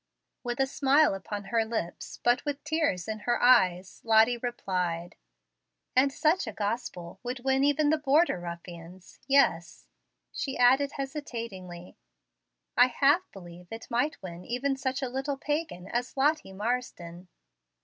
With a smile upon her lips, but with tears in her eyes, Lottie replied, "And such a gospel would win even the border ruffians. Yes," she added hesitatingly, "I half believe it might win even such a little pagan as Lottie Marsden."